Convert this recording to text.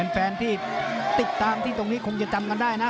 แฟนที่ติดตามที่ตรงนี้คงจะจำกันได้นะ